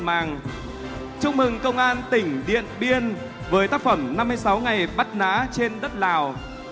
màng chúc mừng công an tỉnh điện biên với tác phẩm năm mươi sáu ngày bắt ná trên đất lào